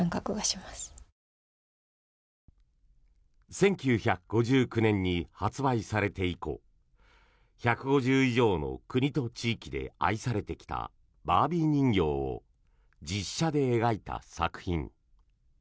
１９５９年に発売されて以降１５０以上の国と地域で愛されてきたバービー人形を実写で描いた作品。